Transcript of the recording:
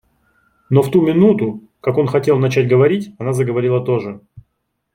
Но в ту минуту, как он хотел начать говорить, она заговорила тоже.